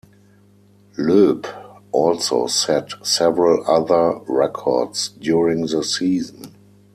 Loeb also set several other records during the season.